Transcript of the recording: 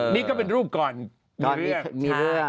นี่ก็เป็นรูปก่อนมีเรื่อง